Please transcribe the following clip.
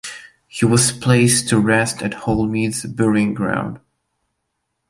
He was placed to rest at Holmead's Burying Ground.